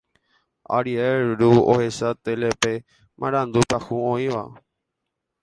Ariel ru ohecha télepe marandu pyahu oĩva.